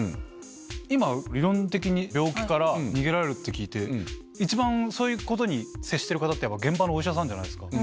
今理論的に病気から逃げられるって聞いて一番そういうことに接してる方って現場のお医者さんじゃないですか。